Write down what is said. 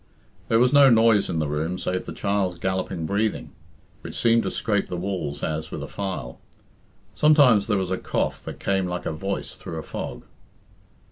There was no noise in the room save the child's galloping breathing, which seemed to scrape the walls as with a file. Sometimes there was a cough that came like a voice through a fog.